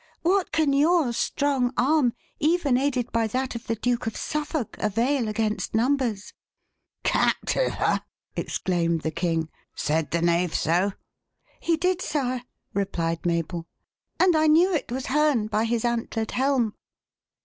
What can your strong arm, even aided by that of the Duke of Suffolk, avail against numbers?" "Captive! ha!" exclaimed the king. "Said the knave so?" "He did, sire," replied Mabel; "and I knew it was Herne by his antlered helm."